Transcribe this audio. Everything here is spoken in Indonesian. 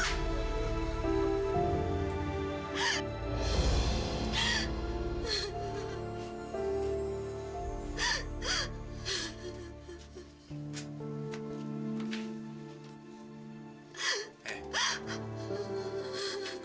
kamu sudah berubah